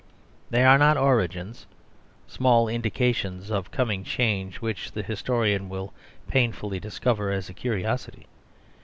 They are not "origins," small indi cations of comingchange which thehistorian will pain fully discover as a curiosity.